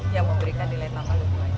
yang memberikan nilai tambang lebih baik